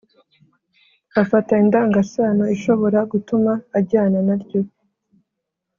afata indangasano ishobora gutuma ajyana na ryo